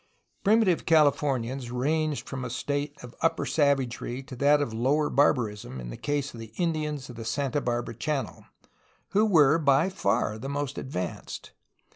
Primitive Calif ornians ranged from a state of upper sav agery to that of lower barbarism in the case of the Indians of the Santa Barbara Channel, who were by far the most ad vanced.